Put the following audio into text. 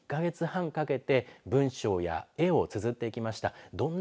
１か月半かけて文章や絵をつづっていきました。